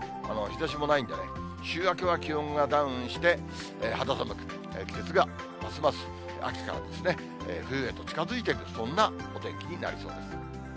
日ざしもないんでね、週明けは気温がダウンして、肌寒く、季節がますます秋から冬へと近づいていく、そんなお天気になりそうです。